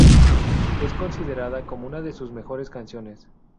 Es considerada como una de sus mejores canciones.